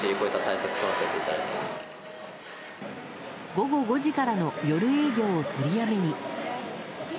午後５時からの夜営業を取りやめに。